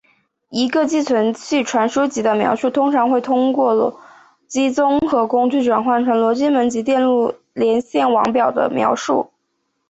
一个寄存器传输级的描述通常会通过逻辑综合工具转换成逻辑门级电路连线网表的描述。